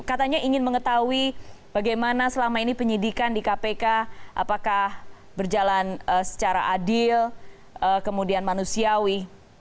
katanya ingin mengetahui bagaimana selama ini penyidikan di kpk apakah berjalan secara adil kemudian manusiawi